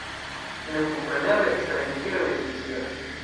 Memkompreneble, eksteraj ligiloj ne funkcias.